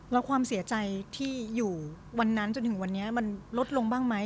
แล้วความเสียใจที่อยู่วันนั้นจนถึงวันนี้มันลดลงบ้างไหม